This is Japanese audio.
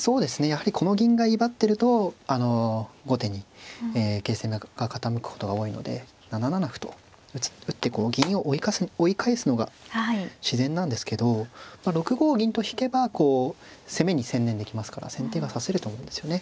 やはりこの銀が威張ってると後手に形勢が傾くことが多いので７七歩と打って銀を追い返すのが自然なんですけど６五銀と引けば攻めに専念できますから先手が指せると思うんですよね。